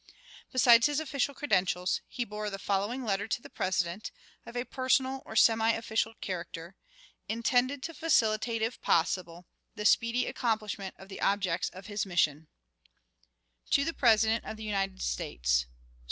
Besides his official credentials, he bore the following letter to the President, of a personal or semi official character, intended to facilitate, if possible, the speedy accomplishment of the objects of his mission: "_To the President of the United States.